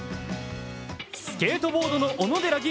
スケートボードの小野寺吟